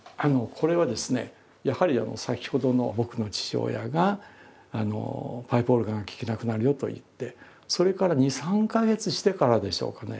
これはですねやはり先ほどの僕の父親が「パイプオルガンが聴けなくなるよ」と言ってそれから２３か月してからでしょうかね